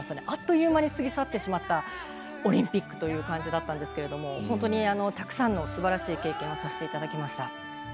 あっという間に過ぎ去ってしまったオリンピックという感じだったんですが本当にたくさんのすばらしい経験をさせていただきました。